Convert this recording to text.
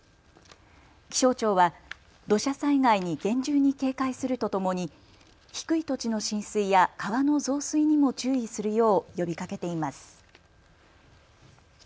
気象庁は土砂災害に厳重に警戒するとともに低い土地の浸水や川の増水にも注意するよう呼びかけています。